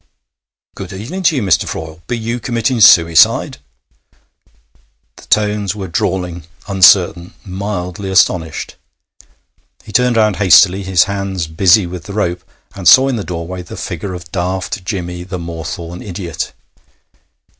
'Good even to you, Mr. Froyle. Be you committing suicide?' The tones were drawling, uncertain, mildly astonished. He turned round hastily, his hands busy with the rope, and saw in the doorway the figure of Daft Jimmy, the Moorthorne idiot.